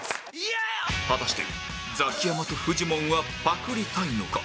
果たしてザキヤマとフジモンはパクりたいのか？